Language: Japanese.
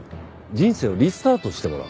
人生をリスタートしてもらう。